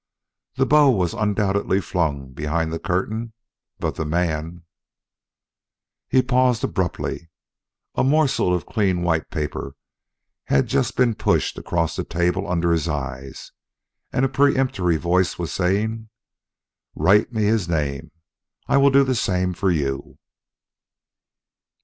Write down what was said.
The bow was undoubtedly flung behind the curtain, but the man " He paused abruptly. A morsel of clean white paper had just been pushed across the table under his eyes, and a peremptory voice was saying: "Write me his name. I will do the same for you."